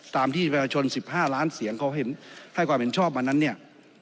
ตามที่ประชาชน๑๕ล้านเสียงเขาให้ความเห็นชอบมานั้นเนี่ย